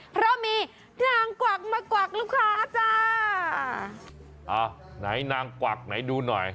เพราะมีนางกวักมากวักลูกค้าจ้าอ่าไหนนางกวักไหนดูหน่อย